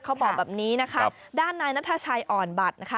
เขาบอกแบบนี้นะคะด้านนายนัทชัยอ่อนบัตรนะคะ